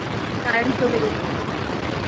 Current চলে গেছে।